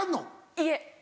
いえ。